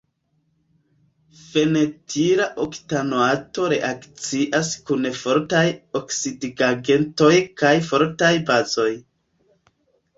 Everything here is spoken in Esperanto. Fenetila oktanoato reakcias kun fortaj oksidigagentoj kaj fortaj bazoj.